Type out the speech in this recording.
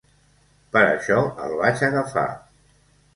Per això el vaig agafar.